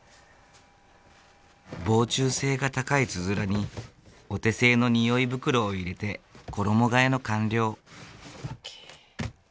防虫性が高いつづらにお手製の匂い袋を入れて衣がえの完了。